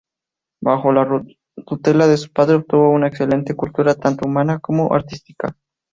Bajo la tutela de su padre obtuvo una excelente cultura tanto humana como artística.